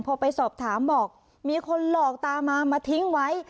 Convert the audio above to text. พอไปสอบถามบอกมีคนหลอกตามามาทิ้งไว้